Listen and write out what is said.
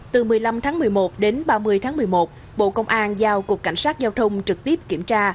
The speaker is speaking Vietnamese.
từ một mươi năm tháng một mươi một đến ba mươi tháng một mươi một bộ công an giao cục cảnh sát giao thông trực tiếp kiểm tra